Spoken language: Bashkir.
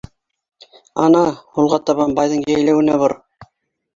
Ана, һулға табан — байҙың йәйләүенә бор!